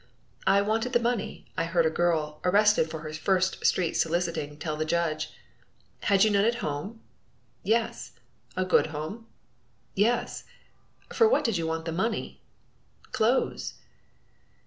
"I wanted the money," I heard a girl, arrested for her first street soliciting, tell the judge. "Had you no home?" "Yes." "A good home?" "Yes." "For what did you want money?" "Clothes."